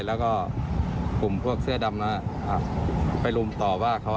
แล้วก็กลุ่มพวกเสื้อดำนั้นไปรุมต่อว่าเขา